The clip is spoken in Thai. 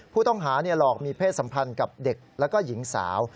ผู้ต้องหาหลอกมีเพศสัมพันธ์กับเด็กแล้วก็หญิงสาว